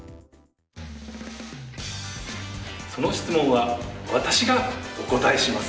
その質問は私がお答えします！